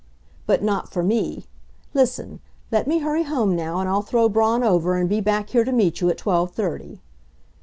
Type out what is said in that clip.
"But not for me. Listen: let me hurry home now and I'll throw Braun over and be back here to meet you at twelve thirty."